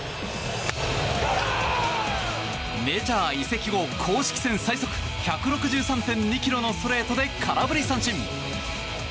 メジャー移籍後公式戦最速１６３．２ｋｍのストレートで空振り三振。